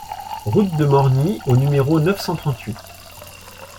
Route de Morgny au numéro neuf cent trente-huit